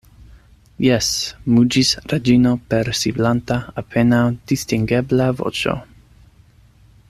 Jes, muĝis Reĝino per siblanta apenaŭ distingebla voĉo.